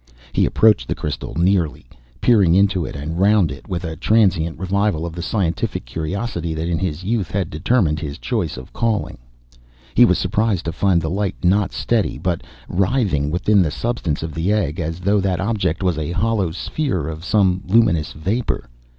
He approached the crystal nearly, peering into it and round it, with a transient revival of the scientific curiosity that in his youth had determined his choice of a calling. He was surprised to find the light not steady, but writhing within the substance of the egg, as though that object was a hollow sphere of some luminous vapour.